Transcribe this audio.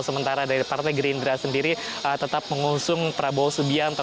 sementara dari partai gerindra sendiri tetap mengusung prabowo subianto